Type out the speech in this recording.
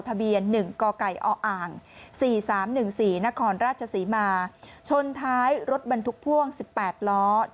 ทะเบียน๑กไก่ออ่าง๔๓๑๔นครราชศรีมาชนท้ายรถบรรทุกพ่วง๑๘ล้อ